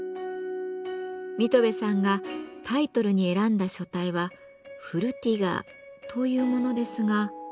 水戸部さんがタイトルに選んだ書体はフルティガーというものですが。